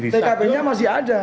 tkp nya masih ada